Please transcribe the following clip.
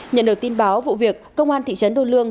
nhận được tin báo vụ việc công an thị trấn đô lương